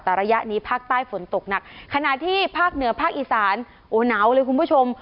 แต่ระยะนี้ภาคใต้ฝนตกหนักขณะที่ภาคเหนือภาคอีสานโอ้หนาวเลยคุณผู้ชม